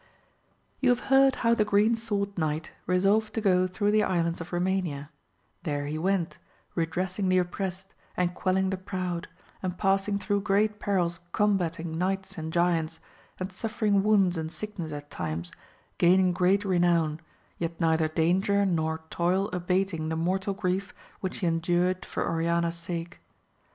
OU have heard how the Green Sword Knight resolved to go through the Islands of Romania : there he went, redressing the oppressed, and quelling the proud, and passing through great perils combating knights and giants, and suffering wounds and sickness at times, gaining great renown, yet neither danger nor toil abating the mortal grief which he endured for Oriana's sake.